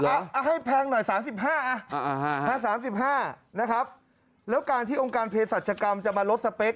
เอาให้แพงหน่อย๓๕๓๕นะครับแล้วการที่องค์การเพศรัชกรรมจะมาลดสเปค